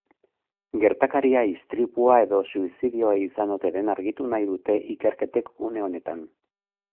Gertakaria istripua edo suizidioa izan ote den argitu nahi dute ikerketek une honetan.